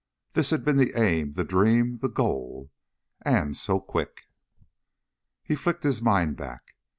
This had been the aim ... the dream ... the goal. And so quick! He flicked his mind back.